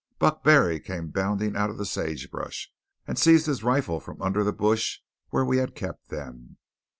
Buck Barry came bounding out of the sage brush, and seized his rifle from under the bush where we had kept them.